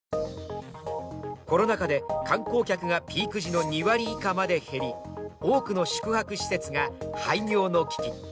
コロナ禍で観光客がピーク時の２割以下まで減り、多くの宿泊施設が廃業の危機